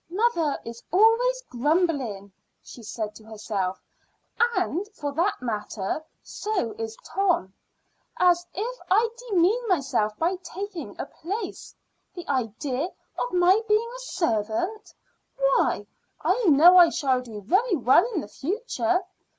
"Mother is always grumbling," she said to herself; "and for that matter, so is Tom. As if I'd demean myself by taking a place! The idea of my being a servant. Why, I know I shall do very well in the future.